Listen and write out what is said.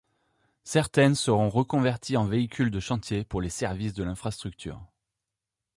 Certaines seront reconverties en véhicules de chantier pour les services de l'infrastructure.